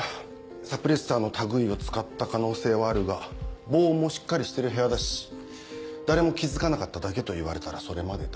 サプレッサーの類いを使った可能性はあるが防音もしっかりしてる部屋だし誰も気付かなかっただけと言われたらそれまでだ。